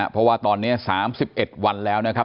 เพราะว่าตอนนี้๓๑วันแล้วนะครับ